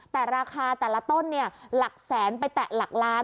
แต่ราคาแต่ละต้นเนี่ยหลักแสนไปแตะหลักล้าน